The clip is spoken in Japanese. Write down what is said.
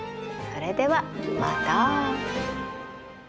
それではまた。